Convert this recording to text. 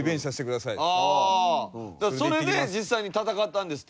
それで実際に戦ったんですって。